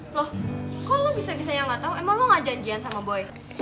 loh kok lo bisa bisa yang nggak tahu emang lo gak janjian sama boy